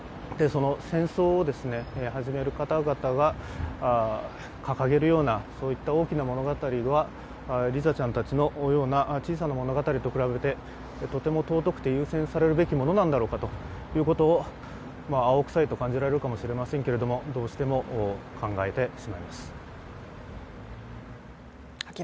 戦争を始める方々が掲げるような大きな物語は、リザちゃんたちのような小さな物語と比べてとても尊くて優先されるべきものなんだろうかということを青臭いと感じられるかもしれませんが、どうしても考えてしまいます。